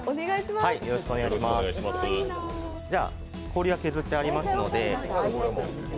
氷は削ってありますので。